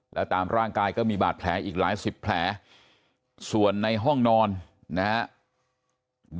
แล้วตามร่างกายก็มีบาดแผลอีกหลายสิบแผลส่วนในห้องนอนนะครับ